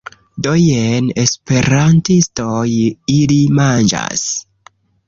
Do, jen esperantistoj... ili manĝas...